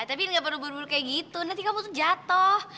tapi gak perlu buruk buruk kayak gitu nanti kamu tuh jatoh